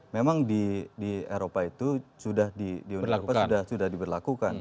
memang di eropa itu sudah diundang undang sudah diberlakukan